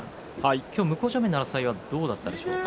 今日は向正面の争いはどうだったでしょうか。